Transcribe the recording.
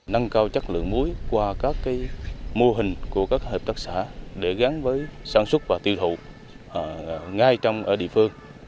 nâng cao chất lượng muối qua các mô hình của các hợp tác xã để gắn với sản xuất và tiêu thụ ngay trong ở địa phương